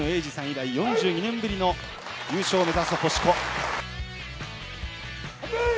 以来４２年ぶりの優勝を目指す星子。